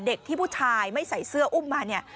เด็กที่ผู้ชายไม่ใส่เสื้ออุ้มมาเนี่ย